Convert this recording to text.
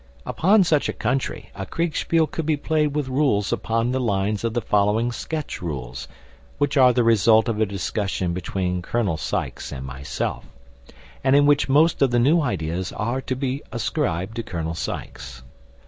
Upon such a country a Kriegspiel could be played with rules upon the lines of the following sketch rules, which are the result of a discussion between Colonel Sykes and myself, and in which most of the new ideas are to be ascribed to Colonel Sykes.